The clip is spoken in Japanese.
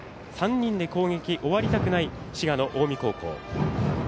３人で攻撃終わりたくない滋賀の近江高校。